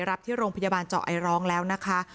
รับที่โรงพยาบาลเจาะไอร้องแล้วนะคะ